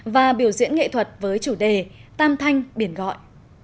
và biểu diễn nghệ thuật với chủ đề tam thanh biển gọi